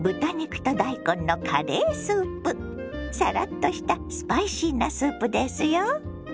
サラッとしたスパイシーなスープですよ。